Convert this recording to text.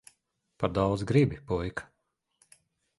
Par daudz gribi, puika.